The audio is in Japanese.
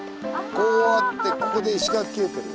こうあってここで石垣切れてるよ。